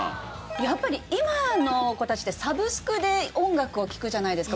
やっぱり今の子たちってサブスクで音楽を聴くじゃないですか。